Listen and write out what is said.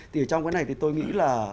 thì ở trong cái này thì tôi nghĩ là